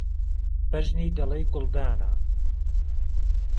بهژنی دهڵهی گوڵدانه